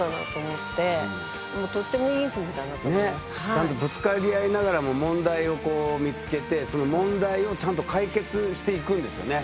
ちゃんとぶつかり合いながらも問題を見つけてその問題をちゃんと解決していくんですよね。